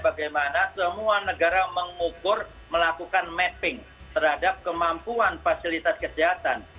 bagaimana semua negara mengukur melakukan mapping terhadap kemampuan fasilitas kesehatan